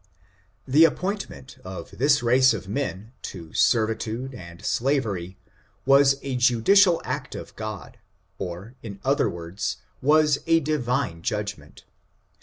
The appointment of this race of men to servitude and slavery was a judicial act of God, or, in other words, was a divine judgment.